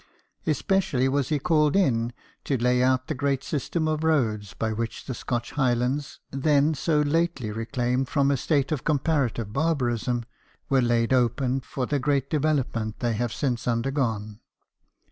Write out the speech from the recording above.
Especially was he called in to layout the great system of roads by THOMAS TELFORD, STONEMASON. 23 which the Scotch Highlands, then so lately reclaimed from a state of comparative bar barism, were laid open for the great develop ment they have since undergone.